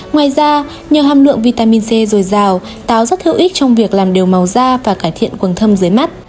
ngoài ra nhờ hàm lượng vitamin c dồi dào táo rất hữu ích trong việc làm đều màu da và cải thiện quần thơm dưới mắt